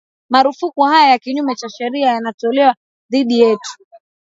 Marufuku haya ya kinyume cha sharia yanatolewa dhidi yetu